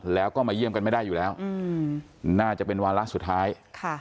แล้วก็มาเยี่ยมกันไม่ได้อยู่แล้วอืมน่าจะเป็นวาระสุดท้ายค่ะ